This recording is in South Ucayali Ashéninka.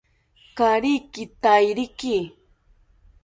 Kaari kitairiki